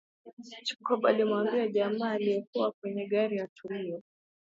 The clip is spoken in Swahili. Jacob alimwambia jamaa aliyekuwa kwenye gari atulie